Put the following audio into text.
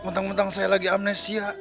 menteng menteng saya lagi amnesia